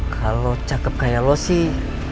kalau cakep gaya lo sih